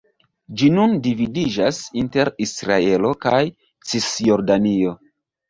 Ĝi nun dividiĝas inter Israelo kaj Cisjordanio.